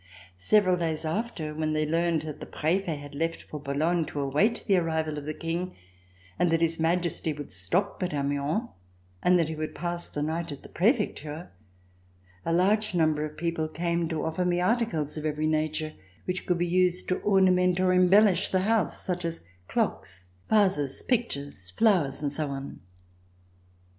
Several days after, when they learned that the Prefet had left for Boulogne to await the arrival of the King, and that His Majesty would stop at Amiens and that he would pass the night at the Prefecture, a large number of people came to offer me articles of every nature which could be used to ornament or embellish the house, such as clocks, vases, pictures, flowers and so on.